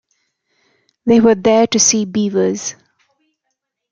They were there to see beavers.